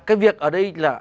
cái việc ở đây là